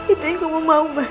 itu yang kamu mau mbak